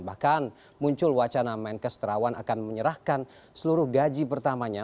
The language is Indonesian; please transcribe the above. bahkan muncul wacana menkes terawan akan menyerahkan seluruh gaji pertamanya